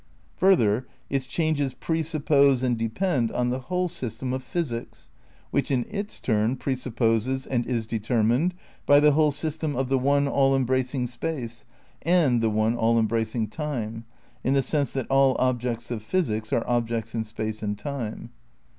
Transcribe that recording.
Further, its changes pre suppose and depend on the whole system of physics, which in its turn pre sup poses and is determined by the whole system of the one all embracing space and the one all embracing time, in the sense that all objects of physics are objects in space and time.